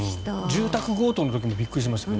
住宅強盗の時もびっくりしましたが。